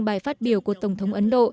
bài phát biểu của tổng thống ấn độ